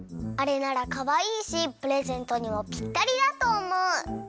あれならかわいいしプレゼントにもぴったりだとおもう！